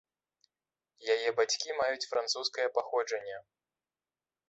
Яе бацькі маюць французскае паходжанне.